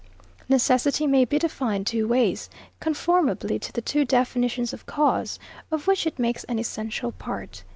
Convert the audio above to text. Necessity may be defined two ways, conformably to the two definitions of cause, of which it makes an essential part.